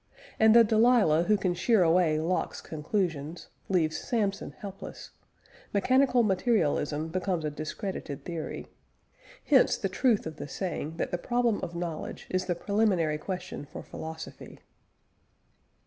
And the Delilah who can shear away Locke's conclusions, leaves Samson helpless; mechanical materialism becomes a discredited theory. Hence the truth of the saying that the problem of knowledge is the preliminary question for philosophy.